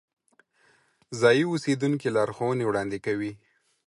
ځایی اوسیدونکي لارښوونې وړاندې کوي.